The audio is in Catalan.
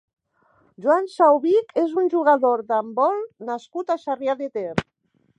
Joan Saubich és un jugador d'handbol nascut a Sarrià de Ter.